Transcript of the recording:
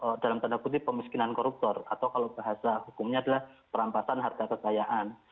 kalau dalam tanda kutip pemiskinan koruptor atau kalau bahasa hukumnya adalah perampasan harga kekayaan